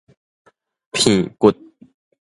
鼻骨